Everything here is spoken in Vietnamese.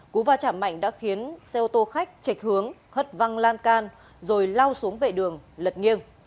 cú va chạm mạnh đã khiến xe ô tô khách chạch hướng hất văng lan can rồi lau xuống về đường lật nghiêng